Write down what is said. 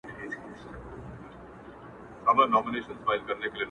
نه يې کټ ـ کټ خندا راځي نه يې چکچکه راځي!